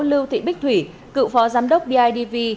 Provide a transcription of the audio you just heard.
lưu thị bích thủy cựu phó giám đốc bidv